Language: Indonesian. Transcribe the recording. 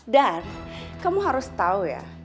dan kamu harus tau ya